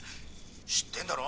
知ってんだろ？